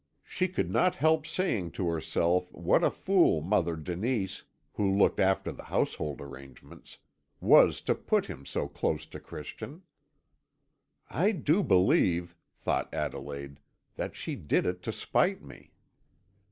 She could not help saying to herself what a fool Mother Denise who looked after the household arrangements was to put him so close to Christian. "I do believe," thought Adelaide, "that she did it to spite me."